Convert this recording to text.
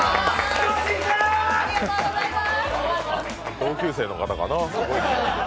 同級生の方かな。